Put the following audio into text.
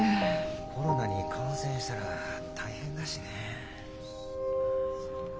コロナに感染したら大変だしね。